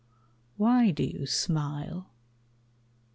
Why do you smile?